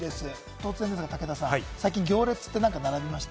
突然ですが武田さん、最近、行列って並びました？